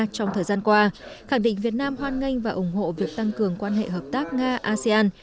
trong thời gian qua khẳng định việt nam hoan nghênh và ủng hộ việc tăng cường quan hệ hợp tác nga asean